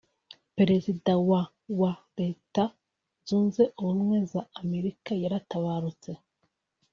perezida wa wa Leta zunze ubumwe za Amerika yaratabarutse